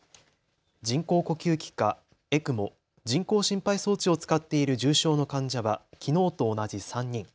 人工呼吸器かＥＣＭＯ・人工心肺装置を使っている重症の患者はきのうと同じ３人。